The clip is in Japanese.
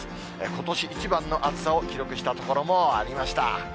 ことし一番の暑さを記録した所もありました。